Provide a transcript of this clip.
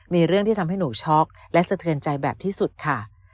มีเรื่องที่ทำให้หนูช็อกและสะเทือนใจแบบที่สุดค่ะ